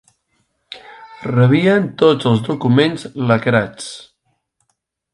Rebien tots els documents lacrats.